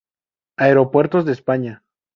Aeropuertos de España